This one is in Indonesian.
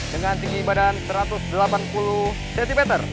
dengan tinggi badan satu ratus delapan puluh cm